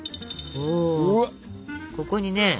おここにね